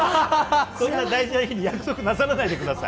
そんな大事な日に約束なさらないでください。